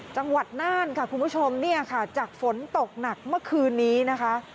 จังหวัดน่านค่ะคุณผู้ชมเนี่ยค่ะจากฝนตกหนักเมื่อคืนนี้นะคะ